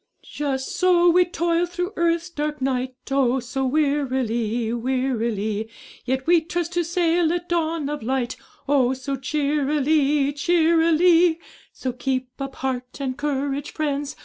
Just so we toil through earth's dark night, Oh! so wearily, wearily; Yet we trust to sail at dawn of light, Oh! so cheerily, cheerily; So keep up heart and courage, friends!